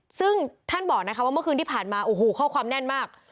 ซึ่งท่านบอกนะคะว่าเมื่อคืนที่ผ่านมาโอ้โหข้อความแน่นมาก